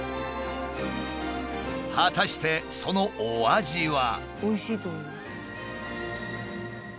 果たしてそのお味は。